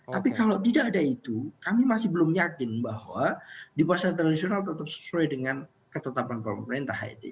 tapi kalau tidak ada itu kami masih belum yakin bahwa di pasar tradisional tetap sesuai dengan ketetapan pemerintah het